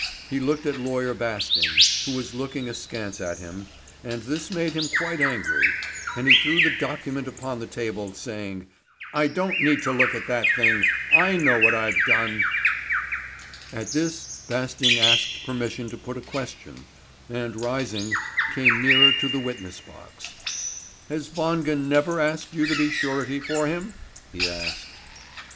He looked at Lawyer Basting, who was looking askance at him, and this made him quite angry, and he threw the document upon the table, saying: "I don't need to look at that thing. I know what I've done." At this Basting asked permission to put a question, and rising, came nearer to the witness box. "Has Wangen never asked you to be surety for him?" he asked.